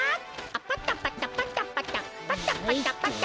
パタパタパタパタパタパタパタ。